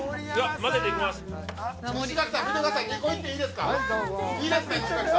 ２個いっていいですか。